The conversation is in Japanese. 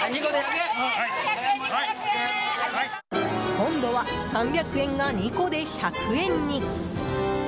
今度は３００円が２個で１００円に！